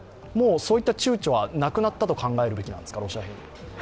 もうそういったちゅうちょはなくなったと考えるべきなんですか。